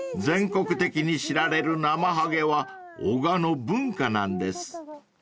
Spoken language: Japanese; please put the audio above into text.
［全国的に知られるナマハゲは男鹿の文化なんです］